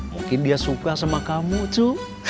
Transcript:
mungkin dia suka sama kamu tuh